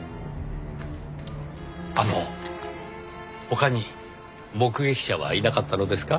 あの他に目撃者はいなかったのですか？